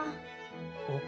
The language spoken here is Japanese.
おっ。